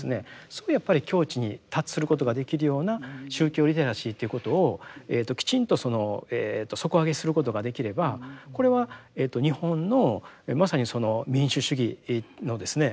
そういうやっぱり境地に達することができるような宗教リテラシーということをきちんと底上げすることができればこれは日本のまさにその民主主義のですね